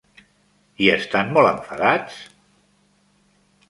I estan molt enfadats?